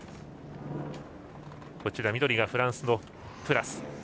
緑がフランスのプラス。